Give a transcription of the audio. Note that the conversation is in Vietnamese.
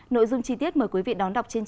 nội dung chi tiết mời quý vị đón đọc